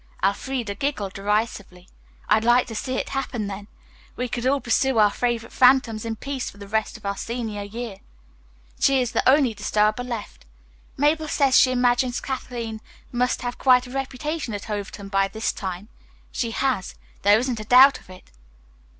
Elfreda giggled derisively. "I'd like to see it happen, then. We could all pursue our favorite phantoms in peace for the rest of our senior year. She is the only disturber left. Mabel says she imagines Kathleen must have quite a reputation at Overton by this time. She has. There isn't a doubt of it."